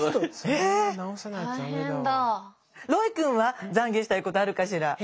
ロイ君は懺悔したいことあるかしら？